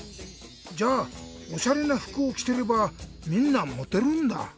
じゃあおしゃれなふくをきてればみんなモテるんだ？